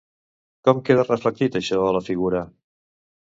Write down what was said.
Com queda reflectit, això, a la figura?